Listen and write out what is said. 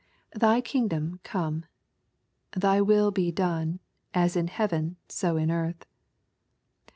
Thy kingdom come. Thy will b« done, as m heaven, so in earth.